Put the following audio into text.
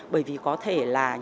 bởi vì có thể là những